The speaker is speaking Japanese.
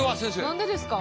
何でですか？